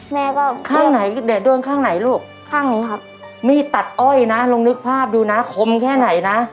แม่ก็ข้างไหนเนี่ยโดนข้างไหนลูกข้างนี้ครับมีดตัดอ้อยนะลองนึกภาพดูนะคมแค่ไหนนะ